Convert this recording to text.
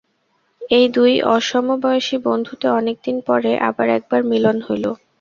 এই দুই অসমবয়সী বন্ধুতে অনেকদিন পরে আবার একবার মিলন হইল।